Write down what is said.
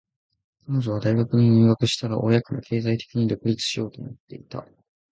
彼女は大学に入学したら、親から経済的に独立しようと思っていた。